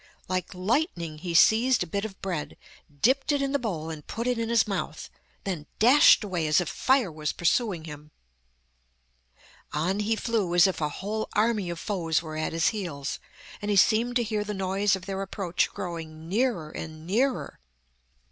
Like lightning he seized a bit of bread, dipped it in the bowl, and put it in his mouth, then dashed away as if fire was pursuing him. On he flew as if a whole army of foes were at his heels, and he seemed to hear the noise of their approach growing nearer and nearer.